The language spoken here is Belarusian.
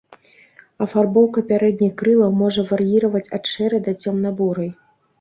Афарбоўка пярэдніх крылаў можа вар'іраваць ад шэрай да цёмна-бурай.